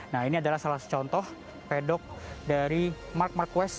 nah ini adalah salah satu contoh pedok dari mark marquest